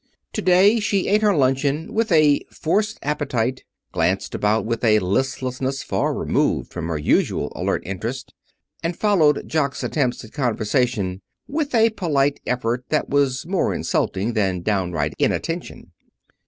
To day she ate her luncheon with a forced appetite, glanced about with a listlessness far removed from her usual alert interest, and followed Jock's attempts at conversation with a polite effort that was more insulting than downright inattention.